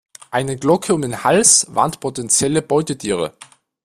Eine Glocke um den Hals warnt potenzielle Beutetiere.